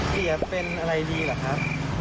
เสียเป็นอะไรดีเหรอครับ